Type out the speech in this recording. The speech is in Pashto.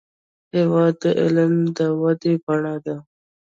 هېواد د علم د ودې بڼه ده.